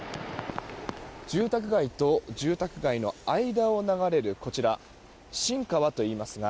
住宅街と住宅街の間を流れる、こちらは新川といいますが